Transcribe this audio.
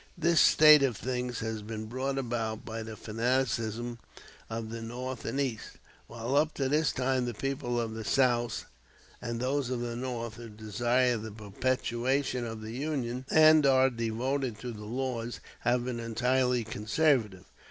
This state of things has been brought about by the fanaticism of the North and East, while up to this time the people of the South, and those of the North who desire the perpetuation of this Union and are devoted to the laws, have been entirely conservative.